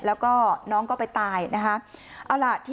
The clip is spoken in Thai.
แล้วก็น้องก็ไปตายนะคะ